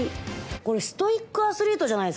これストイックアスリートじゃないっすか。